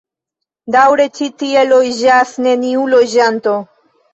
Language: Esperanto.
Daŭre ĉi tie loĝas neniu loĝanto.